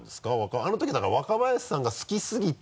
あのときはだから若林さんが好きすぎて。